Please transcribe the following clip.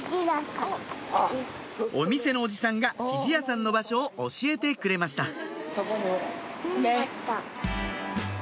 お店のおじさんが生地屋さんの場所を教えてくれました